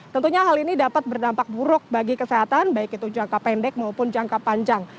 tentunya hal ini dapat berdampak buruk bagi kesehatan baik itu jangka pendek maupun jangka panjang